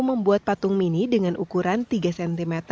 membuat patung mini dengan ukuran tiga cm